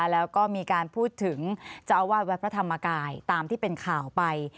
แล้วก็มีการพูดถึงเจ้าอาวาสวัดพระธรรมกายตามที่เป็นข่าวไป